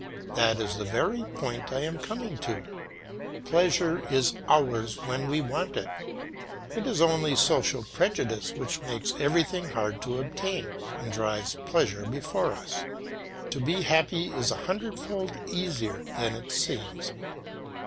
That is the very point I was coming to. Pleasure is ours when we want it; it is only social prejudice which makes everything hard to obtain, and drives pleasure before us. To be happy is a hundredfold easier than it seems.